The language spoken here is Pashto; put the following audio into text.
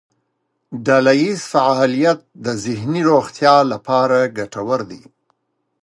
ډلهییز فعالیت د ذهني روغتیا لپاره ګټور دی.